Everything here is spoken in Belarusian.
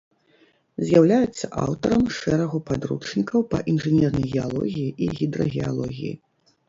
З'яўляецца аўтарам шэрагу падручнікаў па інжынернай геалогіі і гідрагеалогіі.